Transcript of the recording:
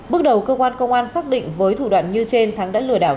bước đầu cơ quan công an xác định với thủ đoạn như trên thắng đã lừa đảo